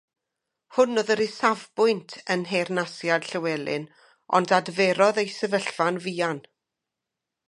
Hwn oedd yr isafbwynt yn nheyrnasiad Llywelyn, ond adferodd ei sefyllfa'n fuan.